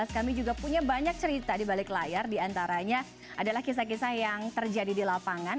kami juga punya banyak cerita di balik layar diantaranya adalah kisah kisah yang terjadi di lapangan